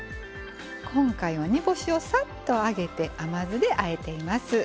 今回は煮干しをさっと揚げて甘酢であえています。